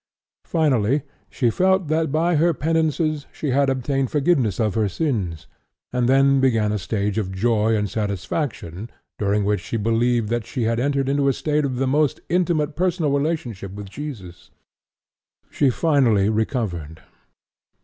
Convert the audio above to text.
Finally she felt that by her penances she had obtained forgiveness of her sins, and then began a stage of joy and satisfaction during which she believed that she had entered into a state of the most intimate personal relationship with Jesus. She finally recovered.